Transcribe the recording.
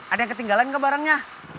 ada yang ketinggalan ke barangnya